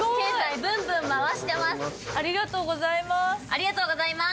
ありがとうございます。